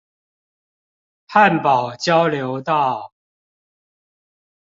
漢寶交流道